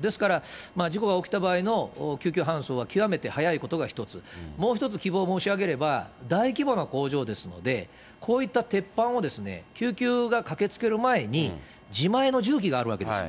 ですから、事故が起きた場合の救急搬送は極めて早いことが１つ、もう１つ希望を申し上げれば、大規模な工場ですので、こういった鉄板を救急が駆けつける前に、自前の重機があるわけですよ。